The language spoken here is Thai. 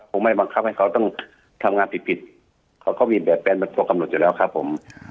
ไม่บังคับให้เขาต้องทำงานผิดผิดเขาก็มีแบบแป้นเป็นตัวกำหนดอยู่แล้วครับผม